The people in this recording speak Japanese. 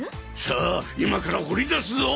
さあ今から掘り出すぞ！